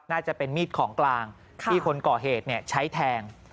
น่าจะเป็นมีดของกลางที่คนก่อเหตุใช้แทง